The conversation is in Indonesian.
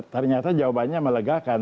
ternyata jawabannya melegakan